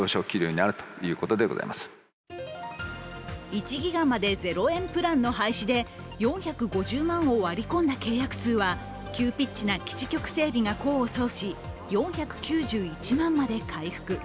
１ギガまで０円プランの廃止で４５０万を割り込んだ契約数は急ピッチな基地局整備が功を奏し４９１万まで回復。